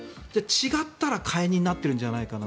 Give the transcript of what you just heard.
違ったら解任になっているんじゃないかな。